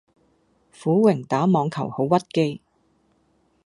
苦榮打網球好屈機